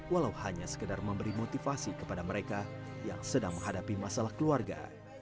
walau hanya sekedar memberi motivasi kepada mereka yang sedang menghadapi masalah keluarga